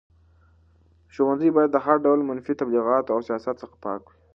ښوونځي باید د هر ډول منفي تبلیغاتو او سیاست څخه پاک وي.